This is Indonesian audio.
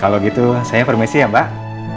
kalau gitu saya permisi ya mbak